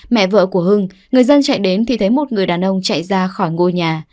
mẹ vợ của hưng người dân chạy đến thì thấy một người đàn ông chạy ra khỏi ngôi nhà